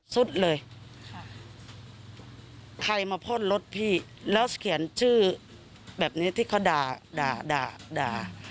สุดเลยค่ะใครมาพ่นรถพี่แล้วเขียนชื่อแบบนี้ที่เขาด่าด่าด่า